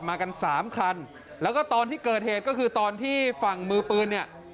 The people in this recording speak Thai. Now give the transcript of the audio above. มากันสามคันแล้วก็ตอนที่เกิดเหตุก็คือตอนที่ฝั่งมือปืนเนี่ย